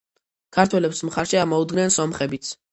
ქართველებს მხარში ამოუდგნენ სომხებიც.